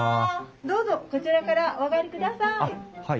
どうぞこちらからお上がりください。